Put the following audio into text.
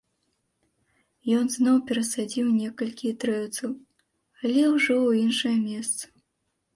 Ён зноў перасадзіў некалькі дрэўцаў, але ўжо ў іншае месца.